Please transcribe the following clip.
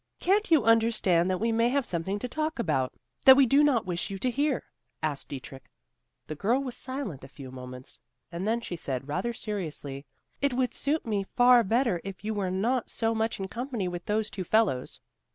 "Can't you understand that we may have something to talk about, that we do not wish you to hear?" asked Dietrich. The girl was silent a few moments, and then she said, rather seriously, "It would suit me far better, if you were not so much in company with those two fellows.